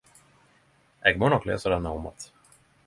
Eg må nok lesa denne om att!